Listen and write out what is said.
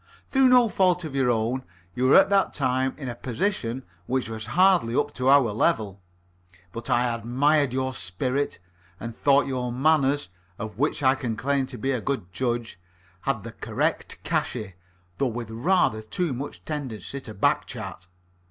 Through no fault of your own, you were at that time in a position which was hardly up to our level. But I admired your spirit and thought your manners, of which I can claim to be a good judge, had the correct cashy, though with rather too much tendency to back chat.